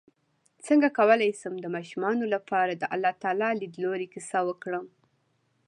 څنګه کولی شم د ماشومانو لپاره د الله تعالی لیدلو کیسه وکړم